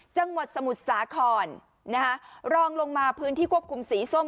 จังหวัดสมุทรสาครนะคะรองลงมาพื้นที่ควบคุมสีส้ม